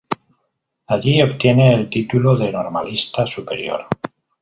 Allí obtiene el título de Normalista Superior.